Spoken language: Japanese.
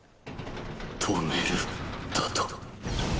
止めるだと？